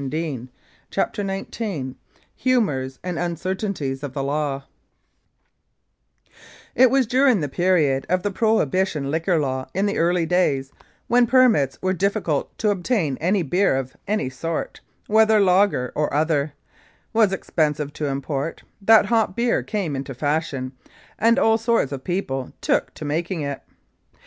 280 CHAPTER XIX HUMOURS AND UNCERTAINTIES OF THE LAW IT was during the period of the prohibition liquor law in the early days, when permits were difficult to obtain and beer of any sort, whether lager or other, was expen sive to import, that hop beer came into fashion, and all sorts of people took to making it.